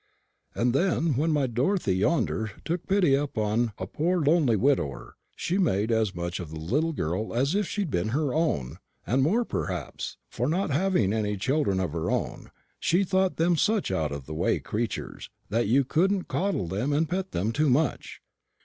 And then, when my Dorothy, yonder, took pity upon a poor lonely widower, she made as much of the little girl as if she'd been her own, and more, perhaps; for, not having any children of her own, she thought them such out of the way creatures, that you couldn't coddle them and pet them too much.